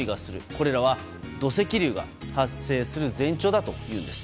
これらは土石流が発生する前兆だというんです。